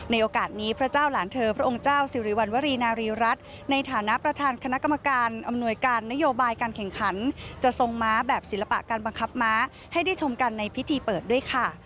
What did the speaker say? โอกาสนี้พระเจ้าหลานเธอพระองค์เจ้าสิริวัณวรีนารีรัฐในฐานะประธานคณะกรรมการอำนวยการนโยบายการแข่งขันจะทรงม้าแบบศิลปะการบังคับม้าให้ได้ชมกันในพิธีเปิดด้วยค่ะ